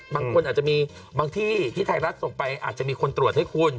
บางคนอาจจะมีบางที่ที่ไทยรัฐส่งไปอาจจะมีคนตรวจให้คุณ